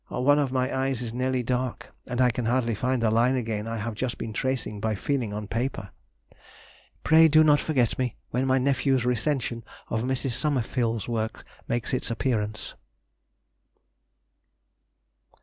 One of my eyes is nearly dark, and I can hardly find the line again I have just been tracing by feeling on paper. Pray do not forget me when my nephew's recension of Mrs. Somerville's works makes its appearance....